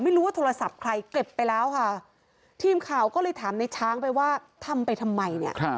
ไม่รู้ว่าโทรศัพท์ใครเก็บไปแล้วค่ะทีมข่าวก็เลยถามในช้างไปว่าทำไปทำไมเนี่ย